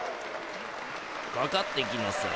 かかってきなさい。